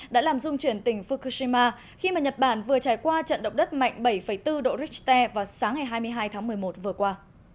đã làm dung chuyển tỉnh fukushima khi mà nhật bản vừa trải qua trận động đất mạnh bảy bốn độ richter vào sáng ngày hai mươi hai tháng một mươi một vừa qua